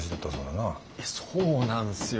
いやそうなんすよ。